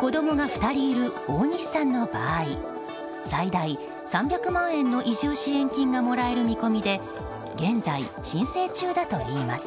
子供が２人いる大西さんの場合最大３００万円の移住支援金がもらえる見込みで現在申請中だといいます。